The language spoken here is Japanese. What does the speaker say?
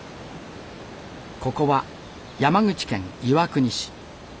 ここは山口県岩国市。